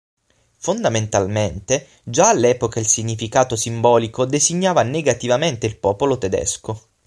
Fondamentalmente già all'epoca il significato simbolico designava negativamente il popolo tedesco.